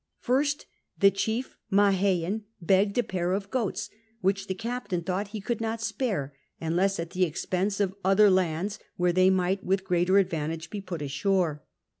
First, the chief Mahein begged a pair of goats, which the captain thought he could not spare unless at l^e expense of other lands where they might with greater advantage bo put ashore.